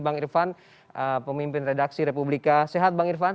bang irvan pemimpin redaksi republika sehat bang irvan